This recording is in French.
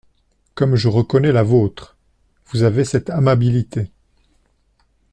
Comme je reconnais la vôtre ! Vous avez cette amabilité.